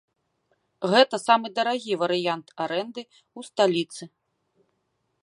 Гэта самы дарагі варыянт арэнды ў сталіцы.